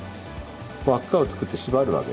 輪っかを作って縛るわけですね。